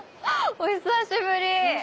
お久しぶり。